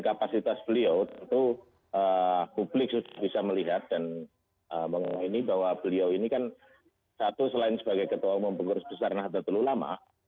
kapasitas beliau tentu publik sudah bisa melihat dan ini bahwa beliau ini kan satu selain sebagai ketua umum pengurus besar nahdlatul ulama